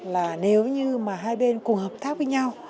là nếu như mà hai bên cùng hợp tác với nhau